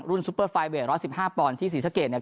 รุ่นซูเปอร์ไฟล์เวทร้อสสิบห้าปอนด์ที่ศรีสะเกดเนี่ย